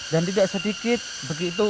dan tidak sedikit begitu